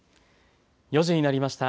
４時になりました。